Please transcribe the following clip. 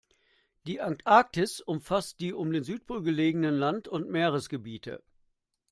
Die Antarktis umfasst die um den Südpol gelegenen Land- und Meeresgebiete.